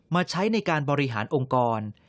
ใช้ในการบริหารองค์กร